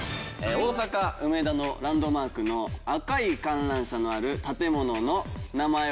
大阪梅田のランドマークの赤い観覧車のある建物の名前はなんでしょうか？